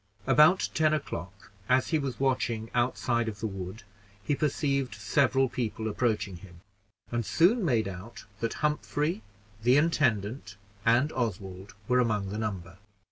About ten o'clock, as he was watching outside of the wood, he perceived several people approaching him, and soon made out that Humphrey, the intendant, and Oswald were among the number.